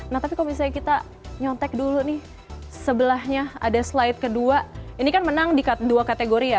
nah tapi kalau misalnya kita nyontek dulu nih sebelahnya ada slide kedua ini kan menang di dua kategori ya